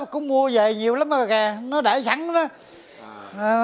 cũng mua về nhiều lắm rồi kìa nó để sẵn đó